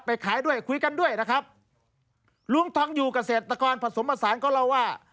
ขายด้วยคุยกันด้วยนะครับลุงทองอยู่เกษตรกรผสมผสานเขาเล่าว่า